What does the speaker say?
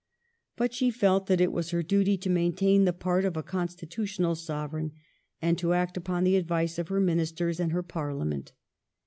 But she felt that it was her duty to maintain the part of a constitutional Sovereign and to act upon the advice of her Ministers and her Parliament.